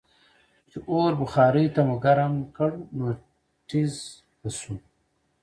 چې اور بخارۍ ته مو ګرم کړ نو ټیزززز به شو.